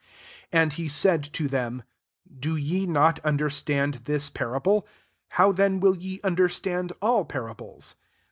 13 And he said to them, "Do ye not understand this parable ? how then will ye un derstand all parables?